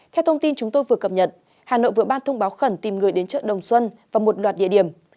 theo thông tin chúng tôi vừa cập nhật hà nội vừa ban thông báo khẩn tìm người đến chợ đồng xuân và một loạt địa điểm